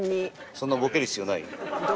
そんなボケる必要ない？